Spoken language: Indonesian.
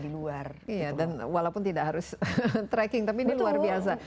iya dan walaupun tidak harus trekking tapi ini luar biasa